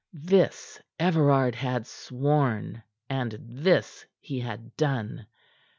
This Everard had sworn, and this he had done.